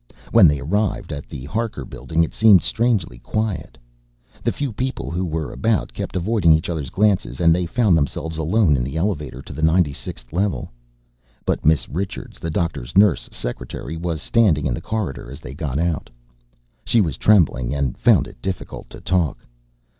When they arrived at the Harker Building it seemed strangely quiet. The few people who were about kept avoiding each others' glances and they found themselves alone in the elevator to the 96th level. But Miss Richards, the doctor's nurse secretary, was standing in the corridor as they got out. She was trembling and found it difficult to talk.